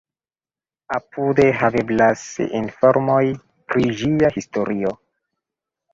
Apude haveblas informoj pri ĝia historio.